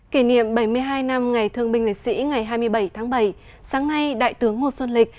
kỷ niệm bảy mươi hai năm ngày thương binh lịch sĩ ngày hai mươi bảy tháng bảy sáng nay đại tướng ngô xuân lịch